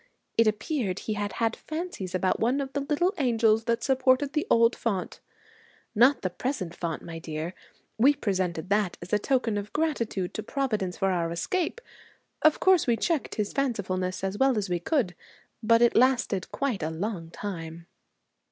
It appeared he had had fancies about one of the little angels that supported the old font, not the present font, my dear. We presented that as a token of gratitude to Providence for our escape. Of course we checked his fancifulness as well as we could, but it lasted quite a long time.'